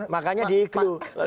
makanya di iklu